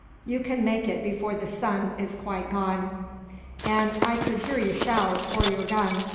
"You can make it before the sun is quite gone." "An' I could hear you shout, or your gun.